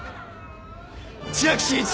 千秋真一